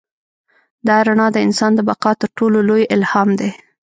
دا رڼا د انسان د بقا تر ټولو لوی الهام دی.